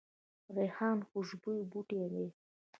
ریحان خوشبویه بوټی دی